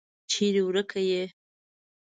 چیري ورکه یې ؟